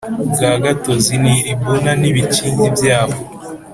bwa gatozi n i Libuna n ibikingi byaho